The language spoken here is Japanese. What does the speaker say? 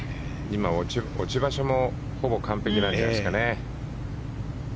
今、落ち場所もほぼ完璧なんじゃないですかね。